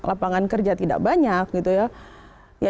lapangan kerja tidak banyak gitu ya